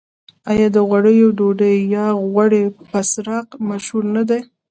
آیا د غوړیو ډوډۍ یا غوړي بسراق مشهور نه دي؟